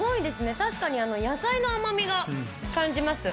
確かに野菜の甘みを感じます。